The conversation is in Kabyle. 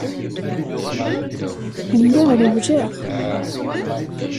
Lliɣ rewwleɣ.